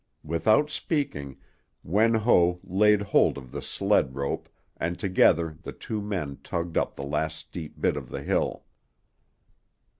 Without speaking, Wen Ho laid hold of the sled rope and together the two men tugged up the last steep bit of the hill.